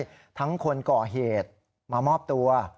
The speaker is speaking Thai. อยู่ทางคนเกาะเหตุมามอบตัว